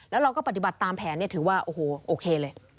แล้วเราก็ปฏิบัติตามแผนถือว่าโอ้โหโอเคเลย